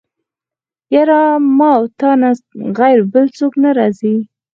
يره ما او تانه غير بل څوک راځي.